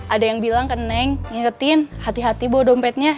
ada yang bilang ke neng ngingetin hati hati bawa dompetnya